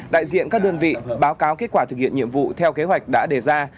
đại diện các đơn vị báo cáo kết quả thực hiện nhiệm vụ theo kế hoạch đã đề ra